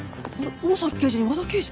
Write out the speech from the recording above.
大崎刑事に和田刑事。